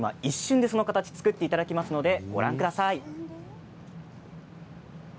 一瞬でその形を作っていただきますのでご覧ください。